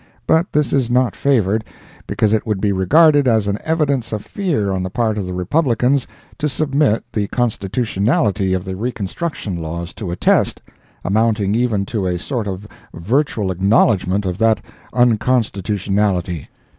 But this is not favored, because it would be regarded as an evidence of fear on the part of the Republicans to submit the constitutionality of the Reconstruction Laws to a test, amounting even to a sort of virtual acknowledgment of that unconstitutionality.